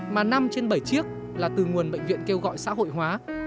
mà năm trên bảy chiếc là từ nguồn bệnh viện kêu gọi xã hội hóa